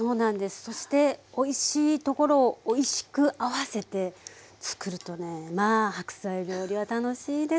そしておいしいところをおいしく合わせてつくるとねまあ白菜料理は楽しいです。